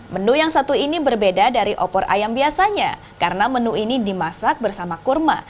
menu yang satu ini berbeda dari opor ayam biasanya karena menu ini dimasak bersama kurma